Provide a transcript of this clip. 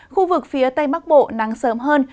khu vực phía tây bắc bộ nắng sớm hơn